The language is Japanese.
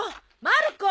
まる子！